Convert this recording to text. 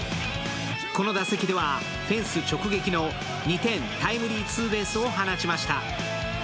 この打席ではフェンス直撃の２点タイムリーツーベースを放ちました。